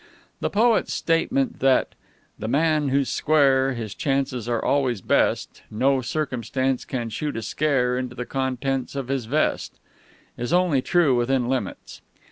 The poet's statement that "the man who's square, his chances always are best; no circumstance can shoot a scare into the contents of his vest," is only true within limits.